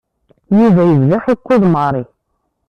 Yuba yebda aḥukku d Mary.